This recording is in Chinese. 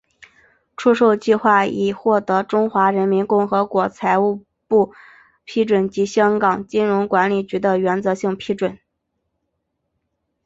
出售计划已获得中华人民共和国财政部批准及香港金融管理局的原则性批准。